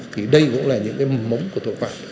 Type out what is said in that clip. thì đây cũng là những cái mầm mống của tội phạm